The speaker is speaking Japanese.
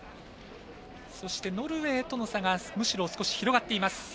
そしてノルウェーとの差がむしろ広がっています。